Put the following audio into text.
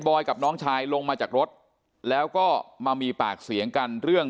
อยกับน้องชายลงมาจากรถแล้วก็มามีปากเสียงกันเรื่อง